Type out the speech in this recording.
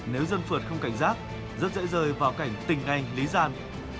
nếu dân phượt không cảnh giác rất dễ rơi vào cảnh tình anh lý giàn